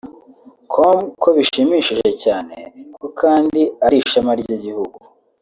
com ko bishimishije cyane ko kandi ari ishema ry’igihugu